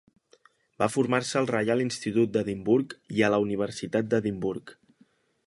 Va formar-se a al Reial Institut d'Edimburg i a la Universitat d'Edimburg.